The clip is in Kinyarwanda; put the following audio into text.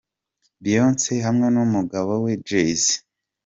Beyonce hamwe n'umugabo we Jay Z.